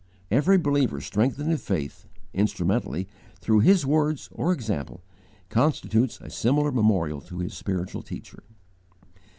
Every believer strengthened in faith (instrumentally) through his words or example constitutes a similar memorial to his spiritual teacher.